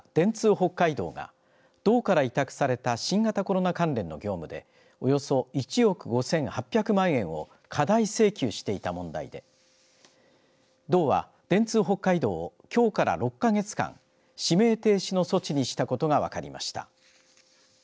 北海道が道から委託された新型コロナ関連の業務でおよそ１億５８００万円を過大請求していた問題で道は電通北海道をきょうから６か月間指名停止の措置にしたことが分かりました。